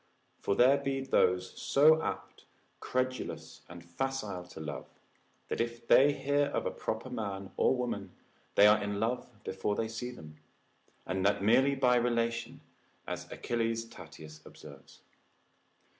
For there be those so apt, credulous, and facile to love, that if they hear of a proper man, or woman, they are in love before they see them, and that merely by relation, as Achilles Tatius observes.